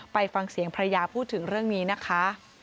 ไปฟังเสียงภรรยาพูดถึงเรื่องนี้นะคะ